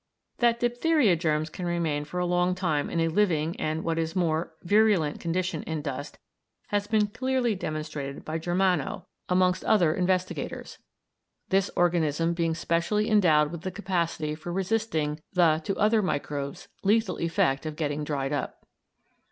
That diphtheria germs can remain for a long time in a living and, what is more, virulent condition in dust has been clearly demonstrated by Germano, amongst other investigators, this organism being specially endowed with the capacity for resisting the, to other microbes, lethal effect of getting dried up.